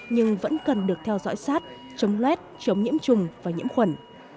nhưng vẫn cần được theo dõi sát chống loét chống nhiễm trùng và nhiễm khuẩn